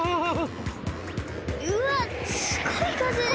うわっすごいかぜです！